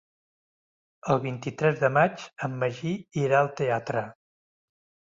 El vint-i-tres de maig en Magí irà al teatre.